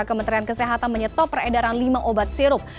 kementerian kesehatan menyetop peredaran lima obat sirup